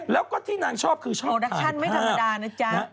แล้วก็ที่นางชอบคือชอบดัคชั่นไม่ธรรมดานะจ๊ะ